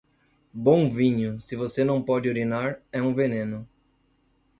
Bom vinho, se você não pode urinar, é um veneno.